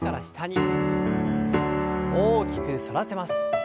大きく反らせます。